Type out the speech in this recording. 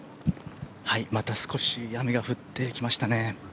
また少し雨が降ってきましたね。